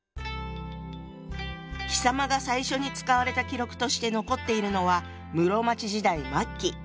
「貴様」が最初に使われた記録として残っているのは室町時代末期。